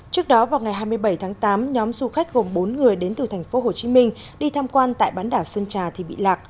trước đó vào ngày hai mươi bảy tháng tám nhóm du khách gồm bốn người đến từ thành phố hồ chí minh đi tham quan tại bán đảo sơn trà thì bị lạc